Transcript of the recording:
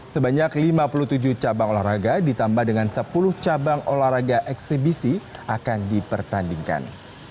sebanyak lima puluh tujuh cabang olahraga ditambah dengan sepuluh cabang olahraga eksebisi akan dipertandingkan